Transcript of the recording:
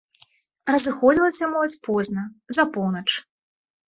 Разыходзілася моладзь позна, за поўнач.